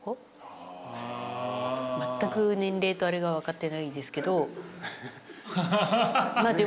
まったく年齢とあれが分かってないですけどまあ